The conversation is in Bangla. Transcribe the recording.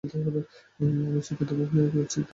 আমরা চকিত অভাবনীয়ের ক্কচিৎ-কিরণে দীপ্ত।